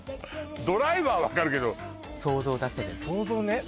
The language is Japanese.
ドライブは分かるけど想像だけで想像ね